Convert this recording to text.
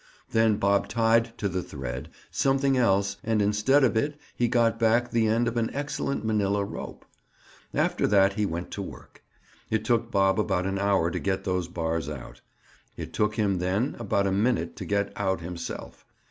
Then Bob tied to the thread something else and instead of it, he got back the end of an excellent manila rope. After that he went to work. It took Bob about an hour to get those bars out; it took him, then, about a minute to get out himself.